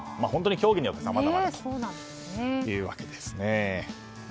本当に、競技によってさまざまというわけですね。